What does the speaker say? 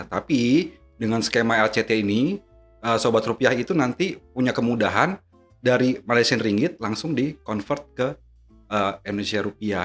tapi dengan skema lct ini sobat rupiah itu nanti punya kemudahan dari malaysian ringgit langsung di convert ke indonesia rupiah